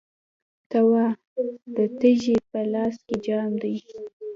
ته وا، د تږي په لاس کې جام دی